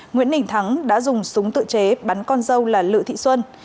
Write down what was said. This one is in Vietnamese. nguyễn đình thắng đã dùng súng tự chế bắn con dâu là lự thị xuân